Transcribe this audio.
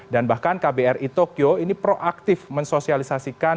dan bahkan kbri tokyo ini proaktif mensosialisasikan